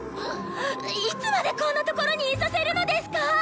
いつまでこんなところにいさせるのですか